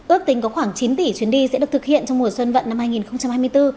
ước tính có khoảng chín tỷ chuyến đi sẽ được thực hiện trong mùa xuân vận năm hai nghìn hai mươi bốn